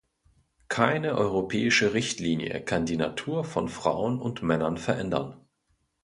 Keine europäische Richtlinie kann die Natur von Frauen und Männern verändern.